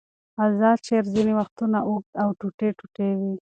آزاد شعر ځینې وختونه اوږد او ټوټې ټوټې وي.